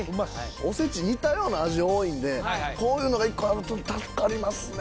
おせち似たような味多いんでこういうのが一個あると助かりますね。